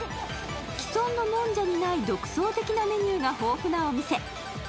既存のもんじゃにない独創的なメニューが豊富なお店。